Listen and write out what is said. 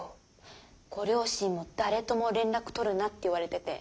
ご両親も誰とも連絡取るなって言われてて。